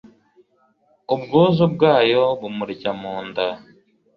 Ubwuzu bwabyo bumurya mu nda